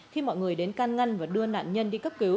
khi mọi người đến can ngăn và đưa nạn nhân đi cấp cứu